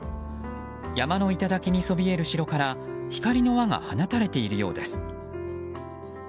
山の頂にそびえる城から光の輪が放たれているようです。